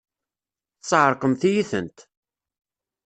Tesεeṛqemt-iyi-tent!